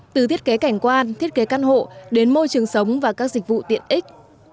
từ thiết kế cảnh quan thiết kế căn hộ đến môi trường sống và các dịch vụ tiện ích